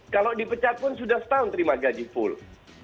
kalau dipecat pun sudah setahun terima gaji full